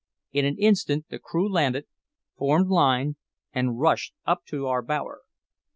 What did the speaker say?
In an instant the crew landed, formed line, and rushed up to our bower.